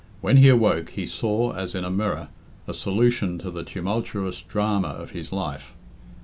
When he awoke, he saw, as in a mirror, a solution to the tumultuous drama of his life.